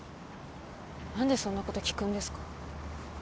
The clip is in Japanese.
何でそんなこと聞くんですか？